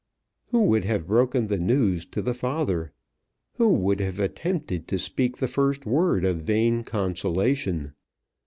Who would have broken the news to the father? Who would have attempted to speak the first word of vain consolation?